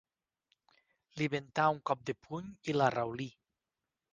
Li ventà un cop de puny i l'arraulí.